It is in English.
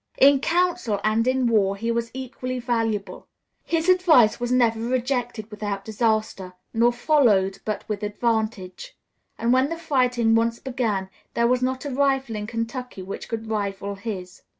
In council and in war he was equally valuable. His advice was never rejected without disaster, nor followed but with advantage; and when the fighting once began there was not a rifle in Kentucky which could rival his.